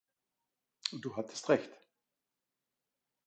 Du hattest recht.